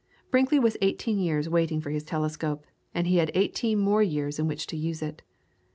Brinkley was eighteen years waiting for his telescope, and he had eighteen years more in which to use it.